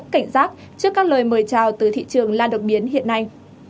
cảnh giác trước các lời mời chào từ thị trường lan đột biến hiện nay